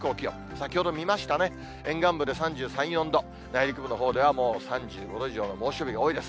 先ほど見ましたね、沿岸部で３３、４度、内陸部のほうでは、もう３５度以上の猛暑日が多いです。